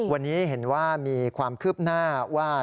วันนี้เห็นว่ามีความคืบหน้าว่า